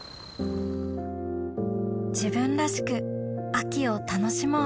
自分らしく秋を楽しもう